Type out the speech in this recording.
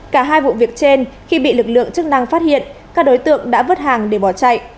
cả hai vụ việc trên khi bị lực lượng chức năng phát hiện các đối tượng đã vứt hàng để bỏ chạy